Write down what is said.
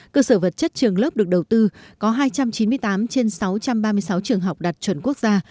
cơ sở vật chất trường lớp được đầu tư có hai trăm chín mươi tám trên sáu trăm ba mươi sáu trường học đạt chuẩn quốc gia